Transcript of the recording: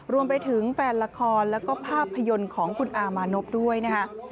รวมไปถึงแฟนละครแล้วก็ภาพยนตร์ของคุณอามานพด้วยนะคะ